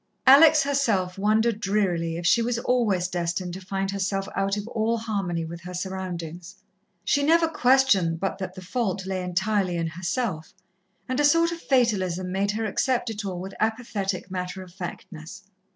Alex herself wondered drearily if she was always destined to find herself out of all harmony with her surroundings. She never questioned but that the fault lay entirely in herself, and a sort of fatalism made her accept it all with apathetic matter of factness.